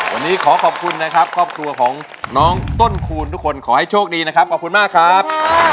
วันนี้ขอขอบคุณนะครับครอบครัวของน้องต้นคูณทุกคนขอให้โชคดีนะครับขอบคุณมากครับ